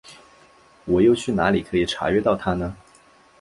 我又去哪里可以查阅到它呢？